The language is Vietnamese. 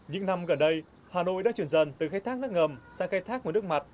những năm gần đây hà nội đã chuyển dần từ khai thác nước ngầm sang khai thác nguồn nước mặt